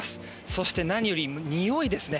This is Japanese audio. そして何よりにおいですね。